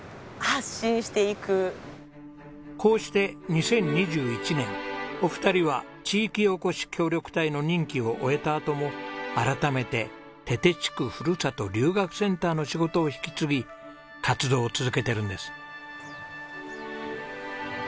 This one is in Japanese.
こうして２０２１年お二人は地域おこし協力隊の任期を終えたあとも改めて手々地区ふるさと留学センターの仕事を引き継ぎ活動を続けてるんです。